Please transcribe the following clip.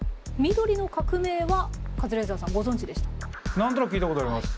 何となく聞いたことあります。